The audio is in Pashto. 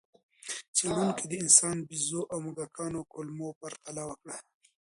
څېړونکي د انسان، بیزو او موږکانو کولمو پرتله وکړه.